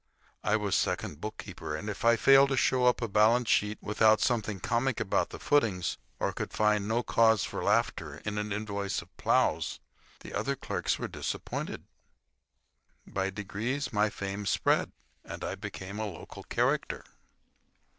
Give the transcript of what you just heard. I was second bookkeeper, and if I failed to show up a balance sheet without something comic about the footings or could find no cause for laughter in an invoice of plows, the other clerks were disappointed. By degrees my fame spread, and I became a local "character."